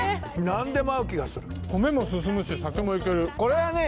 何でも合う気がする米も進むし酒もいけるこれはね